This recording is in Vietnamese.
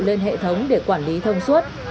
lên hệ thống để quản lý thông suốt